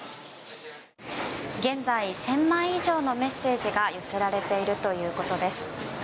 現在１０００枚以上のメッセージが寄せられているということです。